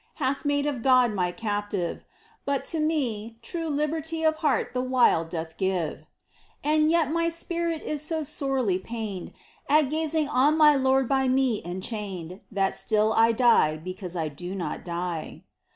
Hath made of God my Captive — but to me True liberty of heart the while doth give. POEMS. And yet my spirit is so sorely pained At gazing on my Lord by me enchained, That still I die because I do not die.